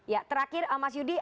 ya terakhir mas yudi